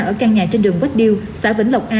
ở căn nhà trên đường vách điêu xã vĩnh lộc a